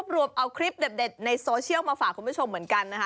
รวมเอาคลิปเด็ดในโซเชียลมาฝากคุณผู้ชมเหมือนกันนะคะ